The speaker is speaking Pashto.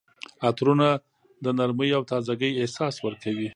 عطرونه د نرمۍ او تازګۍ احساس ورکوي.